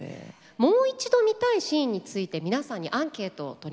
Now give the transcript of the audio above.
もう一度見たいシーンについて皆さんにアンケートを取りました。